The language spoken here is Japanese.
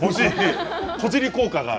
小尻効果が。